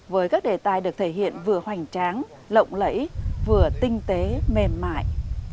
với các đề tài được thể hiện vừa hoành tráng lộng lẫy vừa tinh tế mềm mại